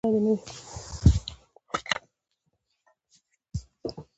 مقالې باید د بل ژورنال تر کتنې لاندې نه وي.